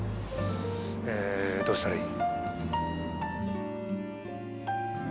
えどうしたらいい？